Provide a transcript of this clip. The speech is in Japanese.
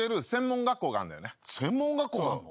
専門学校があるの？